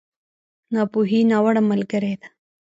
ناپوهي، ناوړه ملګری دی.